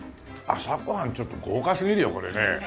朝ご飯ちょっと豪華すぎるよこれねえ。